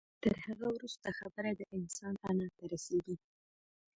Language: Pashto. تر هغه وروسته خبره د انسان انا ته رسېږي.